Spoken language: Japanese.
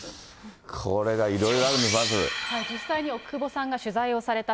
これがいろいろあるんです。